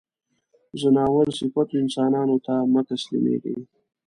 ځناور صفتو انسانانو ته مه تسلیمېږی.